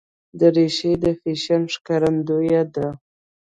دریشي د فیشن ښکارندویه ده.